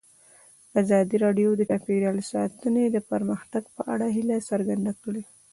ازادي راډیو د چاپیریال ساتنه د پرمختګ په اړه هیله څرګنده کړې.